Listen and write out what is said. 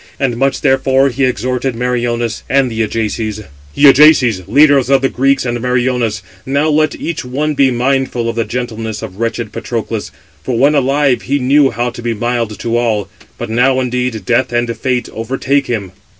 And much, therefore, he exhorted Meriones and the Ajaces: "Ye Ajaces, leaders of the Greeks, and Meriones, now let each one be mindful of the gentleness of wretched Patroclus; for when alive, he knew how to be mild to all; but now, indeed, Death and Fate overtake him."